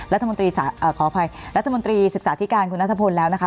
รัฐมนตรีศาสตร์ขออภัยรัฐมนตรีศึกษาธิการคุณนัทพนธ์แล้วนะคะ